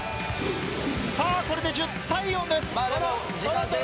さあこれで１０対４です。